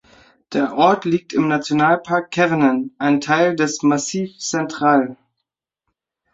Der Ort liegt im Nationalpark Cevennen, einem Teil des Massif Central.